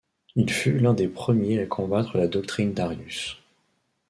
Il fut l'un des premiers à combattre la doctrine d'Arius.